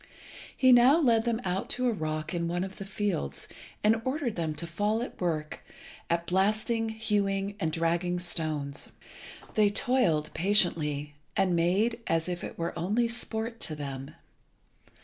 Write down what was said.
He now led them out to a rock in one of the fields, and ordered them to fall to work at blasting, hewing, and dragging stones. They toiled patiently, and made as if it were only sport to them.